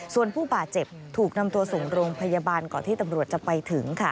ส่วนผู้บาดเจ็บถูกนำตัวส่งโรงพยาบาลก่อนที่ตำรวจจะไปถึง